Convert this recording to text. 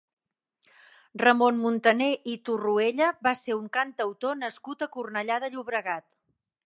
Ramon Muntaner i Torruella va ser un cantautor nascut a Cornellà de Llobregat.